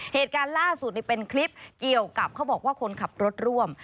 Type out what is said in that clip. เหตุการณ์ล่าสุดเป็นคลิปเกี่ยวกับเขาบอกว่าคนขับรถร่วม